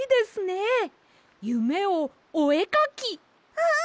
うん！